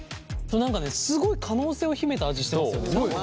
何かねすごい可能性を秘めた味してますよね。